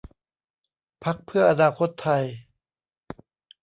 พรรคเพื่ออนาคตไทย